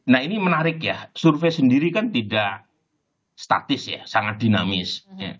nah ini menarik ya survei sendiri kan tidak statis ya sangat dinamis